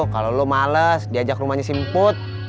kalau lu males diajak ke rumahnya si emput